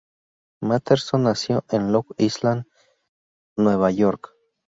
Masterson nació en Long Island, Nueva York.